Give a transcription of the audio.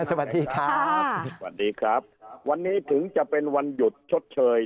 สวัสดีครับวันนี้ถึงจะเป็นวันหยุดชดเชย